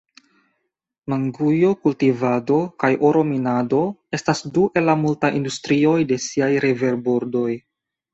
Mangujo-kultivado kaj oro-minado estas du el la multaj industrioj de siaj riverbordoj.